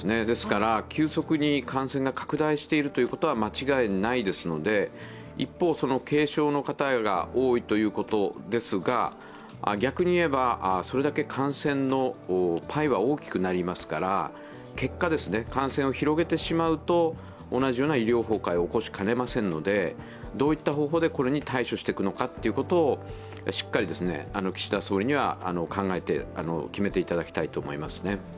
ですから急速に感染が拡大していることは間違いないですので、一方、軽症の方が多いということですが、逆に言えば、それだけ感染のパイは大きくなりますから、結果、感染を広げてしまうと同じような医療崩壊を起こしかねませんので、どういった方法でこれに対処していくのかをしっかり岸田総理には考えて、決めていただきたいと思います。